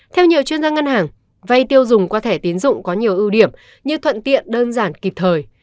theo nhiều chuyên gia ngân hàng vay tiêu dùng qua thẻ tiến dụng có nhiều ưu điểm như thuận tiện đơn giản kịp thời